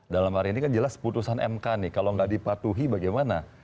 dalam hari ini kan jelas putusan mk nih kalau nggak dipatuhi bagaimana